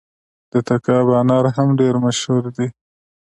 د تګاب انار هم ډیر مشهور دي.